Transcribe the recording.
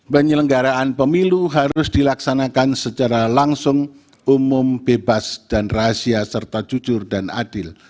penyelenggaraan pemilu harus dilaksanakan secara langsung umum bebas dan rahasia serta jujur dan adil